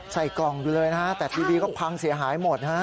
ใส่กล่องอยู่เลยนะฮะแต่ทีวีก็พังเสียหายหมดฮะ